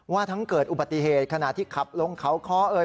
ว่าทั้งเกิดอุบัติเหตุขณะที่ขับลงเขาคอเอ่ย